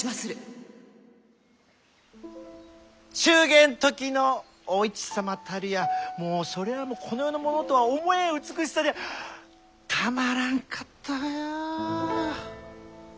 祝言の時のお市様たるやもうそれはもうこの世のものとは思えん美しさでたまらんかったがや。